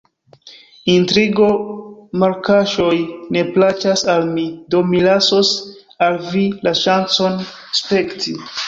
Intrigo-malkaŝoj ne plaĉas al mi, do mi lasos al vi la ŝancon spekti.